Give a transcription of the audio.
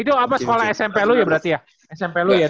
itu apa sekolah smp lu ya berarti ya smp lo ya